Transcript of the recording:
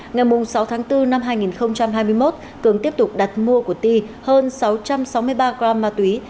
ngày sáu tháng bốn năm hai nghìn hai mươi một cường tiếp tục đặt mua của ti hơn sáu trăm sáu mươi ba gram ma túy